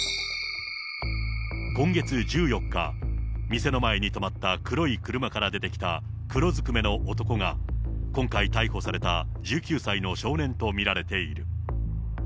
今月１４日、店の前に止まった黒い車から出てきた黒ずくめの男が、今回逮捕された１９歳の少年と見られている。